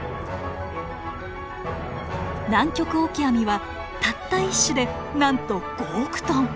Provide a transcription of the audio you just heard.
ナンキョクオキアミはたった一種でなんと５億トン。